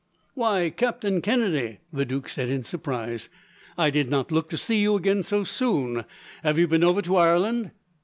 "Why, Captain Kennedy," the duke said, in surprise; "I did not look to see you again, so soon. Have you been over to Ireland?"